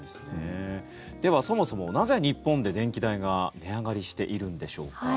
ではそもそもなぜ日本で電気代が値上がりしているんでしょうか。